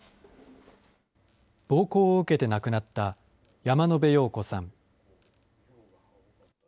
暴行を受けて亡くなった、山野邉陽子さん。